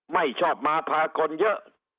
ไม่ชอบมาพาคนเยอะ